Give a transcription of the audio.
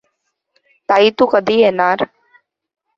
ताई तू कधी येनार?